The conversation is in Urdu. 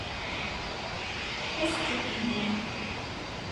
پس چکے ہیں